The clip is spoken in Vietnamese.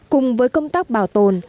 cùng với công tác bảo tồn